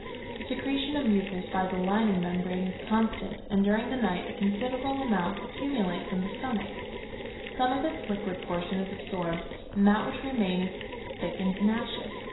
The secretion of mucus by the lining membrane is constant, and during the night a considerable amount accumulates in the stomach; some of its liquid portion is absorbed, and that which remains is thick and tenacious.